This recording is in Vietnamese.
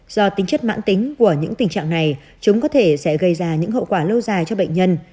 do tính chất mãn tính của những tình trạng này chúng có thể sẽ gây ra những hậu quả lâu dài cho bệnh nhân